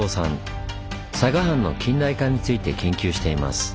佐賀藩の近代化について研究しています。